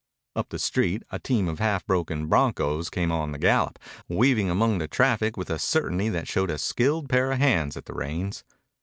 Up the street a team of half broken broncos came on the gallop, weaving among the traffic with a certainty that showed a skilled pair of hands at the reins.